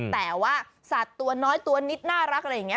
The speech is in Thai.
แต่ว่าสัตว์ตัวน้อยตัวนิดน่ารักอะไรอย่างนี้